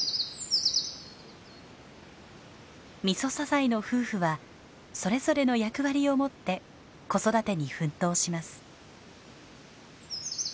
ミソサザイの夫婦はそれぞれの役割を持って子育てに奮闘します。